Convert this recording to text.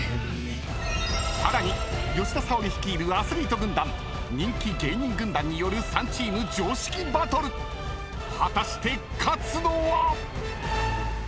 ［さらに吉田沙保里率いるアスリート軍団人気芸人軍団による３チーム常識バトル！］［果たして勝つのは⁉］